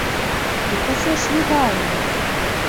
Дык ўсё ж легальна!